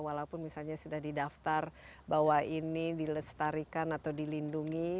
walaupun misalnya sudah di daftar bahwa ini dilestarikan atau dilindungi